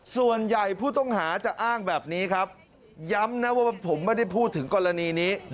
ส่วนใหญ่ผู้ต้องหาจะอ้างแบบนี้ครับย้ำนะว่าผมไม่ได้พูดถึงกรณีนี้